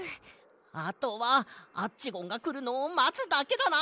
あとはアッチゴンがくるのをまつだけだな！